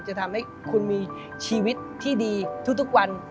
จะทำให้คุณมีชีวิตที่ดีทุกวัน